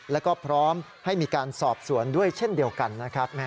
แล้วก็พร้อมให้มีการสอบสวนด้วยเช่นเดียวกันนะครับ